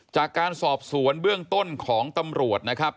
จากการสอบสวนเบื้องต้นของตำรวจนะครับ